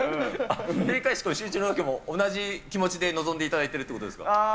閉会式もシューイチのロケも同じ気持ちで臨んでいただいてるってことですか。